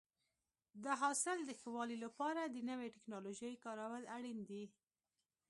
د حاصل د ښه والي لپاره د نوې ټکنالوژۍ کارول اړین دي.